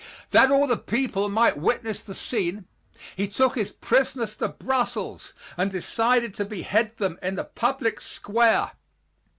That all the people might witness the scene, he took his prisoners to Brussels and decided to behead them in the public square.